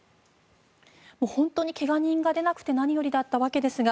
本当に怪我人が出なくて何よりだったわけですが